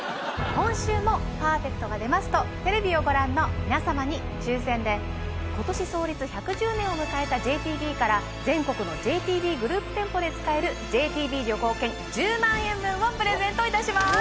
今週もパーフェクトが出ますとテレビをご覧の皆様に抽選で今年創立１１０年を迎えたＪＴＢから全国のＪＴＢグループ店舗で使えるＪＴＢ旅行券１０万円分をプレゼントいたします